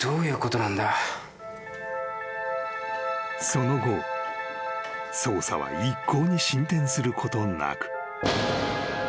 ［その後捜査は一向に進展することなく］